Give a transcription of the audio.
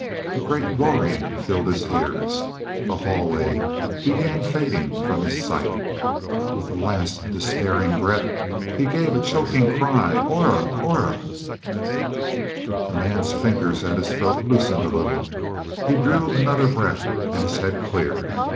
A great roaring filled his ears; the hallway began fading from his sight. With a last despairing breath, he gave a choking cry: "Aura! Aura!" The man's fingers at his throat loosened a little; he drew another breath, and his head cleared.